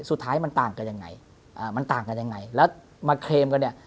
สุดท้ายมันต่างกันยังไงอ่ามันต่างกันยังไงแล้วมาเคลมกันเนี่ย